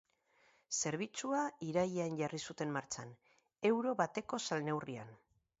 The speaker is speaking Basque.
Zerbitzua irailean jarri zuten matxan, euro bateko salneurrian.